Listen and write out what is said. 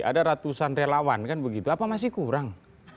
ada ratusan relawan kan begitu apa masih kurang